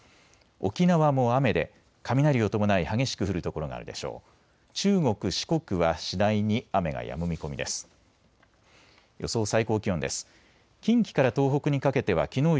沖縄も雨で雷を伴い激しく降る所があるでしょう。